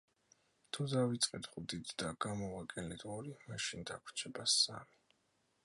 თუ დავიწყეთ ხუთით და გამოვაკელით ორი, მაშინ დაგვრჩება სამი.